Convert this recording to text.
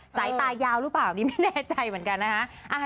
สายตายาวหรือเปล่านี่ไม่แน่ใจเหมือนกันนะฮะ